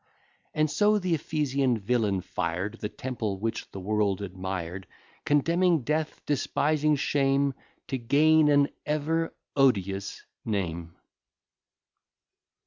And so the Ephesian villain fired The temple which the world admired, Contemning death, despising shame, To gain an ever odious name.